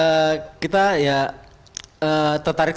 tapi kita ya tertarik banget